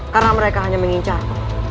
karena mereka hanya mengincang